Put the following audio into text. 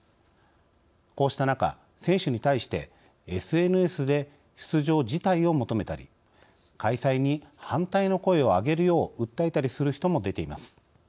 こうした中、選手に対してＳＮＳで出場辞退を求めたり開催に反対の声を上げるよう訴えたりする人も出ています。